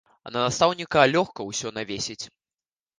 На настаўніка лёгка ўсё навесіць.